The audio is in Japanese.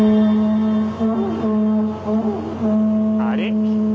あれ？